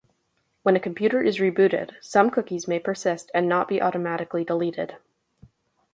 When a computer is rebooted, some cookies may persist and not be automatically deleted.